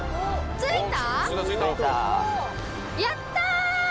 着いた。